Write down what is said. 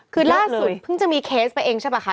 คือล่าสุดเพิ่งจะมีเคสไปเองใช่ป่ะคะ